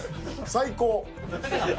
最高。